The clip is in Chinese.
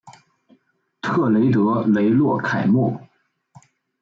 特雷德雷洛凯莫。